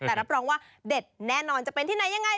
แต่รับรองว่าเด็ดแน่นอนจะเป็นที่ไหนยังไง